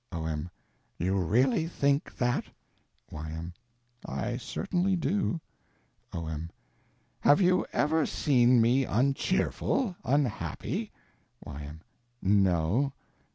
O.M. You really think that? Y.M. I certainly do. O.M. Have you ever seen me uncheerful, unhappy. Y.M. No.